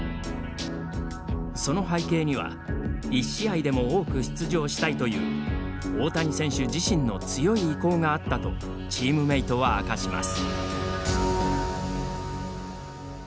その背景には１試合でも多く出場したいという大谷選手自身の強い意向があったとチームメートは明かします。